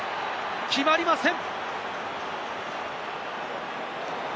決まりません。